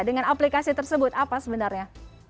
dengan aplikasi tersebut apa sebenarnya